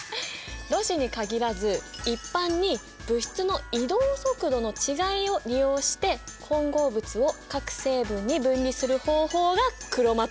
ろ紙に限らず一般に物質の移動速度の違いを利用して混合物を各成分に分離する方法がクロマトグラフィーなんだよ。